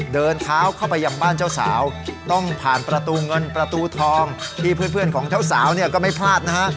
เดินเท้าเข้าไปยังบ้านเจ้าสาวต้องผ่านประตูเงินประตูทองที่เพื่อนของเจ้าสาวเนี่ยก็ไม่พลาดนะฮะ